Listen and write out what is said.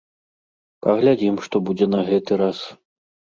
Паглядзім, што будзе на гэты раз.